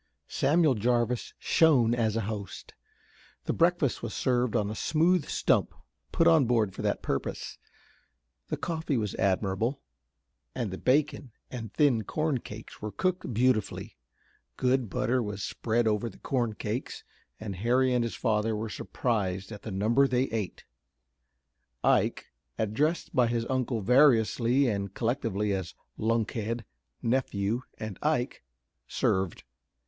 Samuel Jarvis shone as a host. The breakfast was served on a smooth stump put on board for that purpose. The coffee was admirable, and the bacon and thin corn cakes were cooked beautifully. Good butter was spread over the corn cakes, and Harry and his father were surprised at the number they ate. Ike, addressed by his uncle variously and collectively as "lunkhead," "nephew," and "Ike," served.